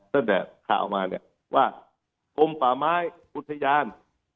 เท่าข่าวมาเนี่ยว่ากลมปลาไม้อุทยาน